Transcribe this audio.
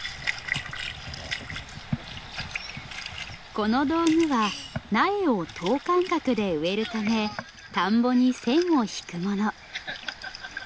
この道具は苗を等間隔で植えるため田んぼに線を引くもの。